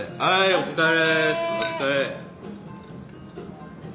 お疲れ。